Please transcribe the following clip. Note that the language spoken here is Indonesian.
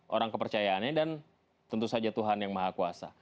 orang kepercayaannya dan tentu saja tuhan yang maha kuasa